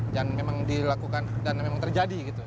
dan memang dilakukan dan memang terjadi gitu